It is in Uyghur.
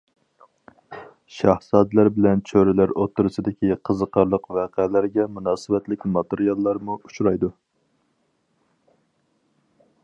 شاھزادىلەر بىلەن چۆرىلەر ئوتتۇرىسىدىكى قىزىقارلىق ۋەقەلەرگە مۇناسىۋەتلىك ماتېرىياللارمۇ ئۇچرايدۇ.